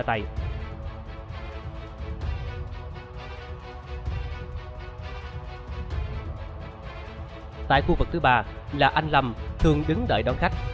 tại khu vực thứ ba là anh lâm thường đứng đợi đón khách